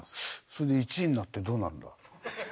それで１位になってどうなるんだ？